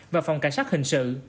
và phòng cảnh sát hình sự